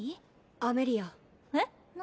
アメリアえっ何？